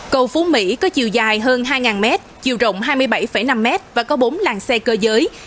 cầu phú mỹ có chiều dài hơn hai mét chiều rộng hai mươi bảy năm mét và có bốn làng xe cơ giới